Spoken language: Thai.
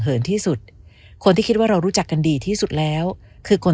เหินที่สุดคนที่คิดว่าเรารู้จักกันดีที่สุดแล้วคือคน